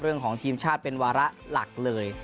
เรื่องของทีมชาติเป็นวาระหลักเลย